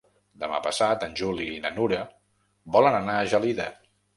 Demà passat en Juli i na Nura volen anar a Gelida.